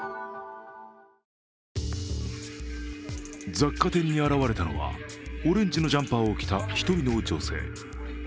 雑貨店に現れたのは、オレンジのジャンパーを着た１人の女性。